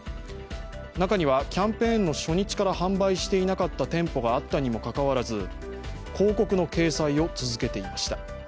中にはキャンペーンの初日から販売していなかった店舗があったにもかかわらず、広告の掲載を続けていました。